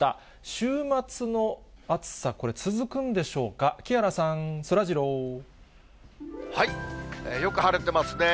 週末の暑さ、これ、続くんでしょうか、木原さん、そらジロー。よく晴れてますね。